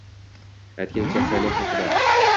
Aytgancha, saylov haqida